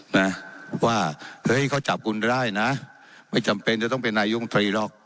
นะว่าเฮ้ยเขาจับกุลได้นะไม่จำเป็นจะต้องเป็นนายมตรีหรอก